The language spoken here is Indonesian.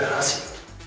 kita akan berhasil